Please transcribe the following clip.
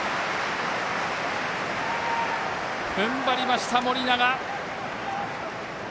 ふんばりました、盛永。